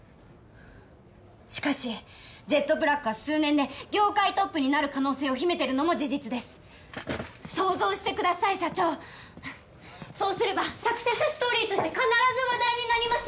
しかしジェットブラックは数年で業界トップになる可能性を秘めてるのも事実です想像してください社長そうすればサクセスストーリーとして必ず話題になります！